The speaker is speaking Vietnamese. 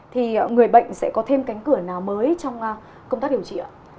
thì người bệnh sẽ có thêm cánh cửa nào mới trong công tác điều trị ạ